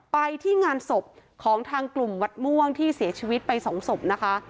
ไปที่งานศพของทางกลุ่มวัดม่วงที่เสียชีวิตไปสองศพนะคะ